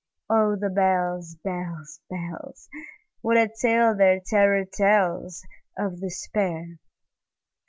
Oh, the bells, bells, bells! What a tale their terror tellsOf Despair!